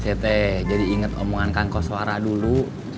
saya teh jadi inget omongan kangkas suara dulu